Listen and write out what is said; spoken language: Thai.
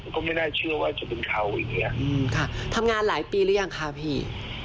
ก็ไม่น่าเชื่อว่าจะเป็นเขาอย่างเงี้ยอืมค่ะทำงานหลายปีหรือยังคะพี่